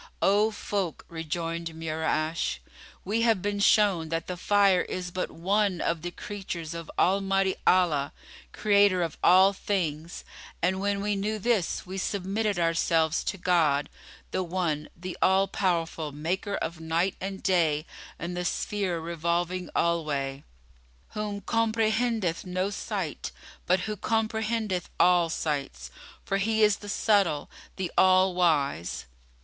"O folk," rejoined Mura'ash, "we have been shown that the fire is but one of the creatures of Almighty Allah, Creator of all things; and when we knew this, we submitted ourselves to God, the One, the All powerful, Maker of night and day and the sphere revolving alway, Whom comprehendeth no sight, but Who comprehendeth all sights, for He is the Subtle, the All wise.